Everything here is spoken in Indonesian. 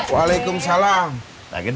waalaikumsalam pak gede